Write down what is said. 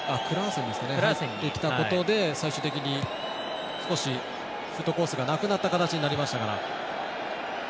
そこにきたことで最終的に少しシュートコースがなくなった形になりましたが。